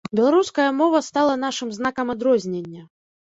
Беларуская мова стала нашым знакам адрознення.